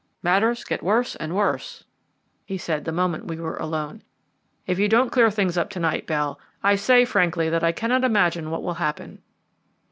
"Matters get worse and worse," he said the moment we were alone. "If you don't clear things up to night, Bell, I say frankly that I cannot imagine what will happen."